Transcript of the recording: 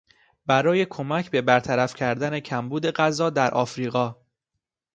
برای کمک به برطرف کردن کمبود غذا در افریقا